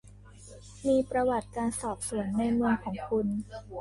มีประวัติการสอบสวนในเมืองของคุณ